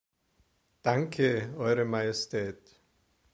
Danke, Eure Majestät.